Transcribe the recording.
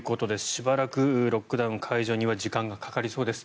しばらくロックダウン解除には時間がかかりそうです。